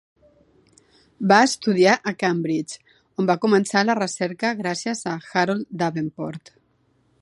Va estudiar a Cambridge, on va començar la recerca gràcies a Harold Davenport.